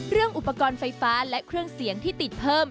เรื่องอุปกรณ์ไฟฟ้าและเครื่องเสียงที่ติดเพิ่ม